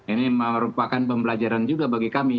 ini merupakan pembelajaran juga bagi kami